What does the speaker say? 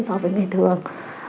so với ngày thường